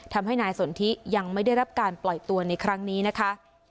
ทำให้นายสนทิยังไม่ได้รับการปล่อยตัวในครั้งนี้นะคะ